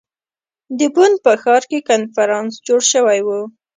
د بن په ښار کې کنفرانس جوړ شوی ؤ.